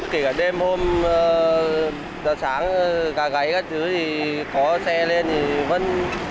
kể cả đêm hôm giờ sáng gà gáy các thứ thì có xe lên thì vẫn